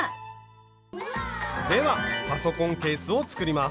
ではパソコンケースを作ります。